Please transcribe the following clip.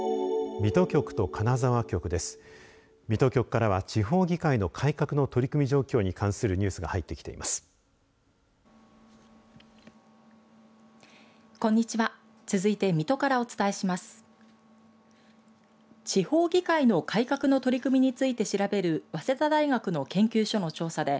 水戸局からは地方議会の改革の取り組み状況に関するニュースが入ってきています。